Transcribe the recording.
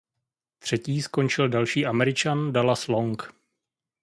Třetí skončil další Američan Dallas Long.